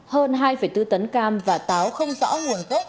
hơn hai bốn tấn cam và táo không rõ nguồn gốc